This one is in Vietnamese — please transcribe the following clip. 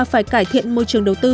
phải cải thiện môi trường đầu tư